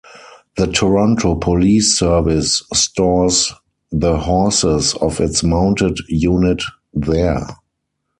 The Toronto Police Service stores the horses of its Mounted Unit there.